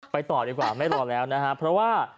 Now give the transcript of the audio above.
ต่อดีกว่าไม่รอแล้วนะฮะเพราะว่า